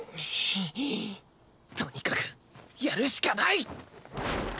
とにかくやるしかない！